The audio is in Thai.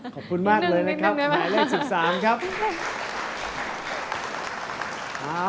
ขอบคุณมากเลยนะครับหมายเลข๑๓ครับนี่หนึ่งนะมา